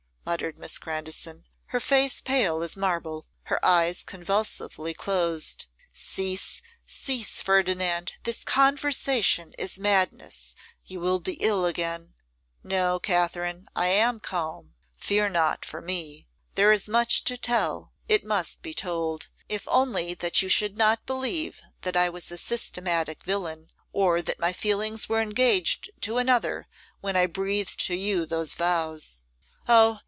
muttered Miss Grandison, her face pale as marble, her eyes convulsively closed. 'Cease, cease, Ferdinand; this conversation is madness; you will be ill again.' 'No, Katherine, I am calm. Fear not for me. There is much to tell; it must be told, if only that you should not believe that I was a systematic villain, or that my feelings were engaged to another when I breathed to you those vows.' 'Oh!